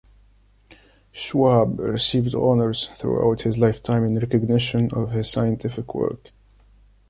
Schwab received honours throughout his lifetime in recognition of his scientific work.